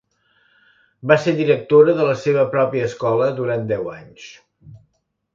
Va ser directora de la seva pròpia escola durant deu anys.